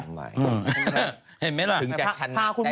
เห็นไหมล่ะถึงจะชนะได้